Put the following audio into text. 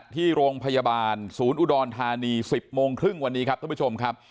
ที่โรงพยาบาลศูนย์อุดรธานี๑๐โมงครึ่งวันนี้ครับท่านผู้ชมครับ